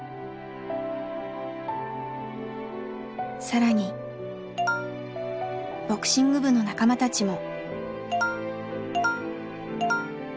更にボクシング部の仲間たちも。